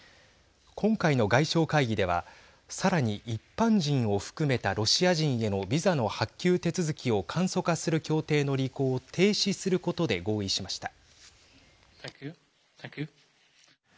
今回の外相会議ではさらに、一般人を含めたロシア人へのビザの発給手続きを簡素化する協定の履行を停止することで合意しました。